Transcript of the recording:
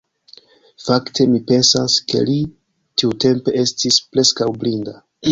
Fakte, mi pensas ke li tiutempe estis preskaŭ blinda.